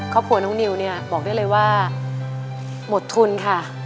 ครอบครัวน้องนิวเนี่ยบอกได้เลยว่าหมดทุนค่ะ